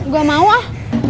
gua mau ah